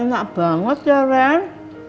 enak banget ya ren